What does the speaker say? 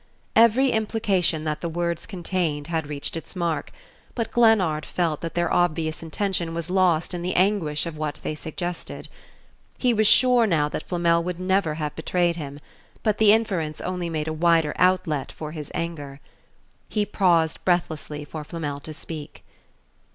Every implication that the words contained had reached its mark; but Glennard felt that their obvious intention was lost in the anguish of what they suggested. He was sure now that Flamel would never have betrayed him; but the inference only made a wider outlet for his anger. He paused breathlessly for Flamel to speak.